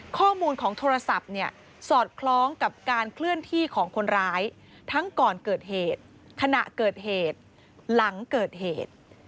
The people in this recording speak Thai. ข้อมูลของโทรศัพท์เนี่ยสอดคล้องกับการเคลื่อนที่ของคนร้ายทั้งก่อนเกิดเหตุขณะเกิดเหตุหลังเกิดเหตุ